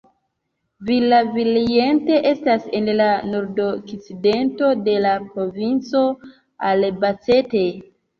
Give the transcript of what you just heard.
Villavaliente estas en la nordokcidento de la provinco Albacete.